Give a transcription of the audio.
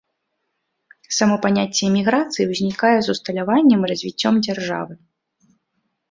Само паняцце эміграцыі ўзнікае з усталяваннем і развіццём дзяржавы.